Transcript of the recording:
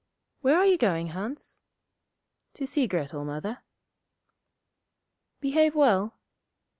'Where are you going, Hans?' 'To see Grettel, Mother.' 'Behave well.'